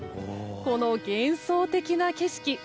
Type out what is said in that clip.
この幻想的な景色。